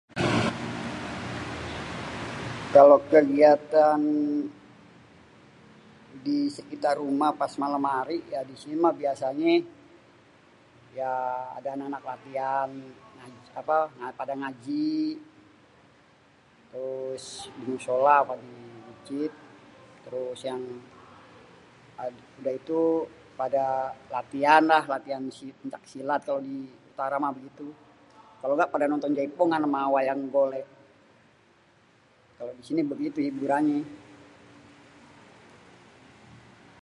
Kalo kegiatan di sekitar rumah pas malem ari, di sini mah biasényé ya ada anak-anak latian, apa pada ngaji terus di mushola apa di mesjid terus yang ada itu pada latian lah, latihan péncak silat, kalo di utara mah. Kalo enggak pada nonton jaipongan ama wayang golek, kalo di sini begitu hiburannyé.